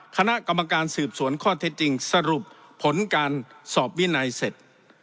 คณะกรรมการสืบสวนข้อเท็จจริงสรุปผลการสอบวินัยเสร็จ